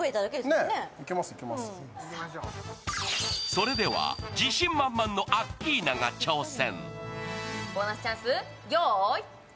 それでは自信満々のアッキーナが挑戦。